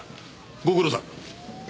ご苦労さん。